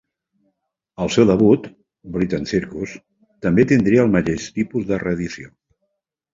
El seu debut, "Bread and Circus" també tindria el mateix tipus de reedició.